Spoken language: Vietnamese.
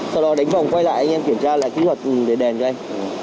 sau đó đánh vòng quay lại anh em kiểm tra lại kỹ thuật để đèn cho anh